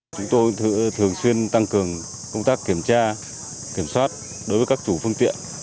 chúng tôi thường xuyên tăng cường công tác kiểm tra kiểm soát đối với các chủ phương tiện